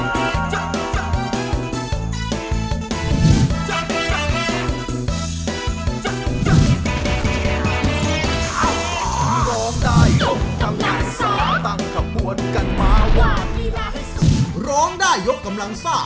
พี่รองได้ยกกำลังทรา